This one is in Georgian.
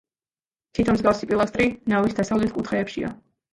თითო მსგავსი პილასტრი ნავის დასავლეთ კუთხეებშია.